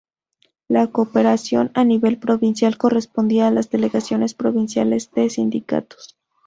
La cooperación a nivel provincial correspondía a las delegaciones provinciales de Sindicatos.